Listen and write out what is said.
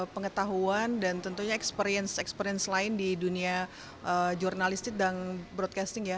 pengetahuan dan tentunya experience experience lain di dunia jurnalistik dan broadcasting ya